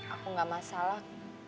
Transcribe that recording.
aku gak masalah